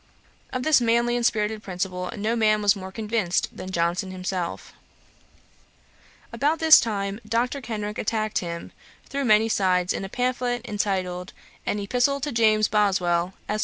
Of this manly and spirited principle, no man was more convinced than Johnson himself. About this time Dr. Kenrick attacked him, through my sides, in a pamphlet, entitled _An Epistle to James Boswell, Esq.